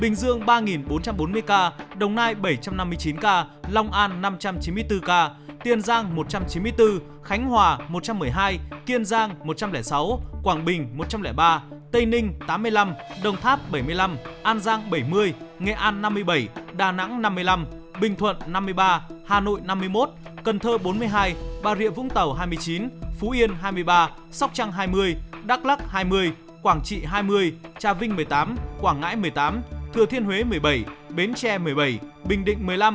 hương ba bốn trăm bốn mươi ca đồng nai bảy trăm năm mươi chín ca long an năm trăm chín mươi bốn ca tiền giang một trăm chín mươi bốn khánh hòa một trăm một mươi hai kiên giang một trăm linh sáu quảng bình một trăm linh ba tây ninh tám mươi năm đồng tháp bảy mươi năm an giang bảy mươi nghệ an năm mươi bảy đà nẵng năm mươi năm bình thuận năm mươi ba hà nội năm mươi một cần thơ bốn mươi hai bà rịa vũng tàu hai mươi chín phú yên hai mươi ba sóc trăng hai mươi đắk lắc hai mươi quảng trị hai mươi trà vinh một mươi tám quảng ngãi một mươi tám thừa thiên huệ hai mươi đà nẵng một mươi năm đà nẵng một mươi năm đà nẵng một mươi năm đà nẵng một mươi năm đà nẵng một mươi năm đà nẵng một mươi năm đà nẵng một mươi năm đà nẵng một mươi năm đ